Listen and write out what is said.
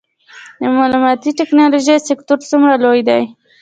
د معلوماتي ټیکنالوژۍ سکتور څومره لوی دی؟